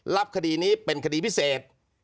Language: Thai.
รับคดีนี้เป็นคดีพิเศษ